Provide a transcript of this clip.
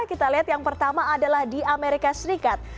kita lihat yang pertama adalah di amerika serikat